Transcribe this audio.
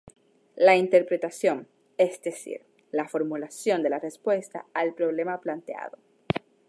La interpretación, es decir, la formulación de la respuesta al problema planteado.